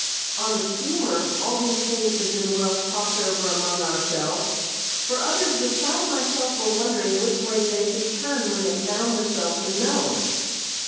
On the steamer all these things had been well talked over among ourselves, for others besides myself were wondering which way they should turn when they found themselves in Nome.